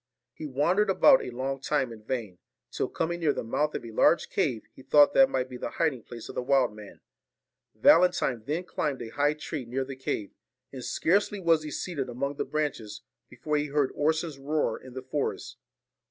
He wandered about a long time in vain; till coming near the mouth of a large cave, he thought that might be the hiding place of the wild man. Valentine then climbed a high tree near the cave ; and scarcely was he seated among the branches, before he heard Orson's roar in the forest.